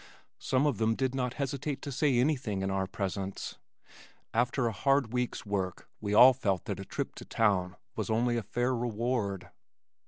Some of them did not hesitate to say anything in our presence. After a hard week's work we all felt that a trip to town was only a fair reward.